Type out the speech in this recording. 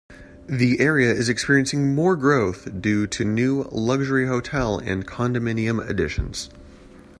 The area is experiencing more growth due to new luxury hotel and condominium additions.